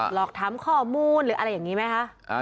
หลอกถามข้อมูลหรืออะไรอย่างนี้ไหมคะ